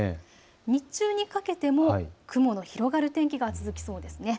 日中にかけても雲の広がる天気が続きそうですね。